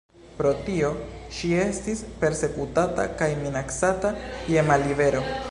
Pro tio ŝi estis persekutata kaj minacata je mallibero.